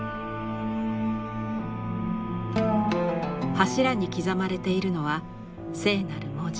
柱に刻まれているのは聖なる文字